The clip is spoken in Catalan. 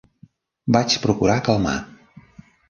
Vaig procurar calmar.